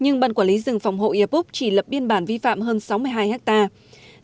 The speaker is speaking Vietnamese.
nhưng ban quản lý rừng phòng hộ iapok chỉ lập biên bản vi phạm hơn sáu mươi hai hectare